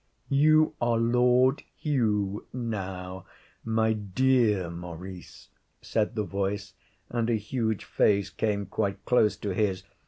'You are Lord Hugh now, my dear Maurice,' said the voice, and a huge face came quite close to his.